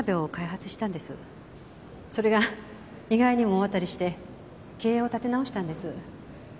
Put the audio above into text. それが意外にも大当たりして経営を立て直したんです。